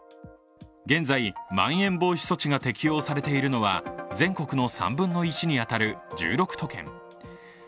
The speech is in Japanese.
現在、まん延防止措置が適用されているのは全国の３分の１に当たる１６都県。